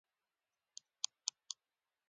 فلم باید له انسان سره مرسته وکړي